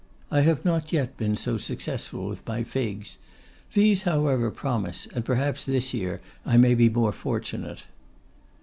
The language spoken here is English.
I have not yet been so successful with my figs. These however promise, and perhaps this year I may be more fortunate.